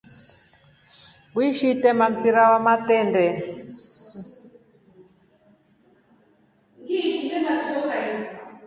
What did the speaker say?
Wishi itema mpira wa matendee?